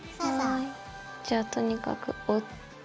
はいじゃあとにかく折って。